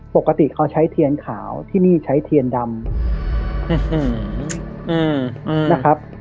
ปกติเขาใช้เทียนขาวที่นี่ใช้เทียนดำนะครับ